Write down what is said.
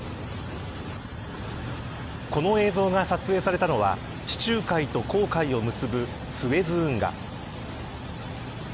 この映像が撮影されたのは地中海と紅海を結ぶスエズ運河。